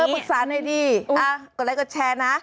เออปรึกษาให้ดีอ้าวกดไลค์กดแชร์นะ